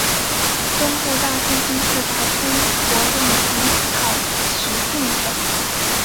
东部大猩猩是白天活动及草食性的。